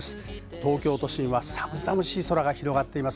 東京都心は寒々しい空が広がっています。